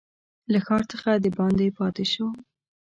له ښار څخه دباندي پاته شو.